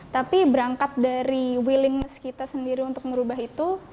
tapi berangkat dari willingness kita sendiri untuk merubah itu